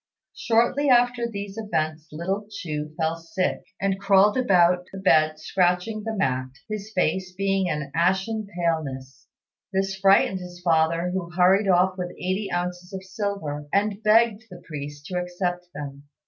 Shortly after these events little Chu fell sick, and crawled about the bed scratching the mat, his face being of an ashen paleness. This frightened his father, who hurried off with eighty ounces of silver, and begged the priest to accept them.